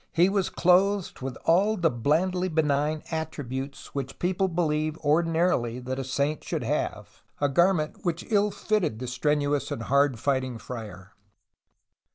He was clothed with all the blandly benign attributes which people believe ordinarily that a saint should have, a garment which ill fitted the strenuous and hard fighting friar.